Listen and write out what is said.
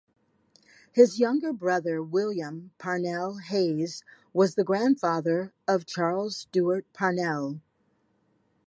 His younger brother William Parnell-Hayes was the grandfather of Charles Stewart Parnell.